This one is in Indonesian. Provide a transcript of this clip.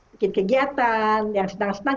bikin kegiatan yang sedang senang